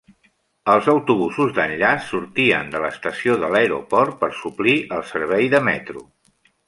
Els autobusos d'enllaç sortien de l'estació de l'aeroport per suplir el servei de metro.